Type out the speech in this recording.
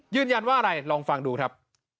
ยืนยันว่าอะไรลองฟังดูครับ